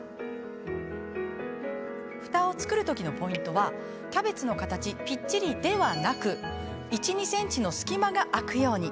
ふたを作る時のポイントはキャベツの形ぴっちりではなく１、２ｃｍの隙間が空くように。